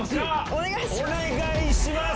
お願いします。